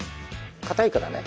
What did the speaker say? かたいからね。